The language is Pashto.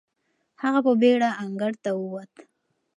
هغه په بېړه انګړ ته وووت.